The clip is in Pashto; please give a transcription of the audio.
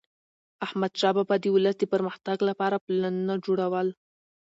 احمدشاه بابا به د ولس د پرمختګ لپاره پلانونه جوړول.